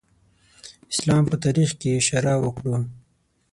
اسلام په تاریخ کې اشاره وکړو.